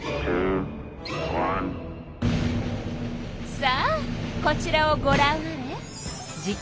さあこちらをごらんあれ！